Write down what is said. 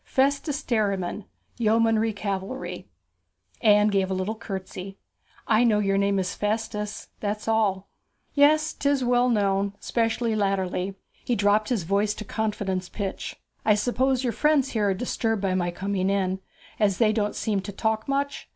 Festus Derriman, Yeomanry Cavalry.' Anne gave a little curtsey. 'I know your name is Festus that's all.' 'Yes, 'tis well known especially latterly.' He dropped his voice to confidence pitch. 'I suppose your friends here are disturbed by my coming in, as they don't seem to talk much?